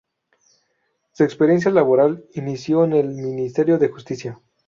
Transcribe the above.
Su experiencia laboral inició en el Ministerio de Justicia.